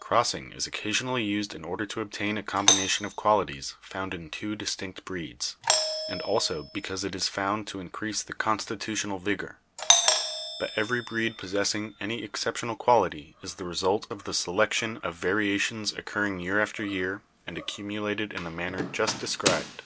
Crossing is occasionally used in order to obtain a combination of qualities found in two distinct breeds, and also because it is found to increase the constitutional vigor ; but every breed possessing any exceptional quality is the result of the selection of variations occurring year after year and ac~ cumulated in the manner just described.